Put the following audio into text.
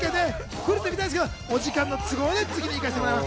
フルで見たいですけど、お時間の都合で次に行かせていただきます。